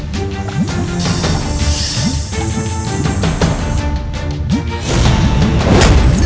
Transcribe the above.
buat ke certain